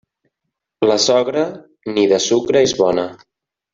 La sogra, ni de sucre és bona.